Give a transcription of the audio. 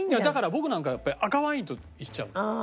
だから僕なんかはやっぱり赤ワインといっちゃう。